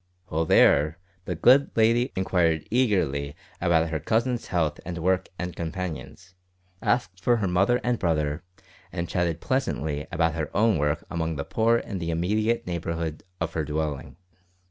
While there the good lady inquired eagerly about her cousin's health and work and companions; asked for her mother and brother, and chatted pleasantly about her own work among the poor in the immediate neighbourhood of her dwelling.